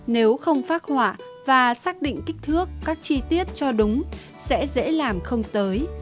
nếu không phác họa và xác định kích thước các chi tiết cho đúng sẽ dễ làm không tới